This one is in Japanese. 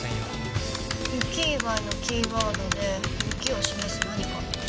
雪以外のキーワードで雪を示す何か。